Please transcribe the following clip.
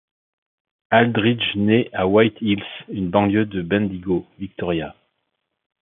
Aldridge naît à White Hills, une banlieue de Bendigo, Victoria.